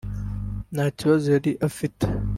nta kibazo yari afite